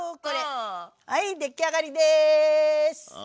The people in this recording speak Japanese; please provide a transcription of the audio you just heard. はい出来上がりです！